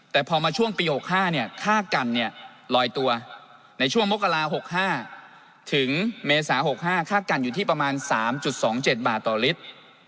แต่พอมาช่วงปี๖๕ค่ากันลอยตัวในช่วงมกรา๖๕ถึงเมษา๖๕ค่ากันอยู่ที่ประมาณ๓๒๗บาทต่อลิตร